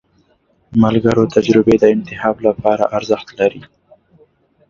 د ملګرو تجربې د انتخاب لپاره ارزښت لري.